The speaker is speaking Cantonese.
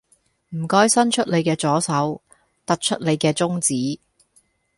唔該伸出你嘅左手，突出你嘅中指